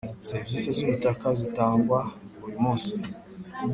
Serivisi z ‘ubutaka zitangwa buri munsi.